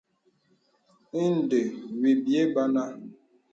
Ìndə̀ wì bìɛ̂ bənà.